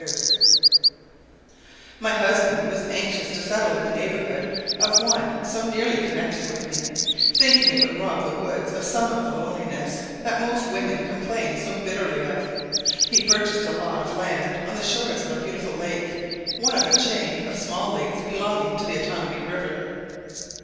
As my husband was anxious to settle in the neighbourhood of one so nearly connected with me, thinking it would rob the woods of some of the loneliness that most women complain so bitterly of, he purchased a lot of land on the shores of a beautiful lake, one of a chain of small lakes belonging to the Otanabee river.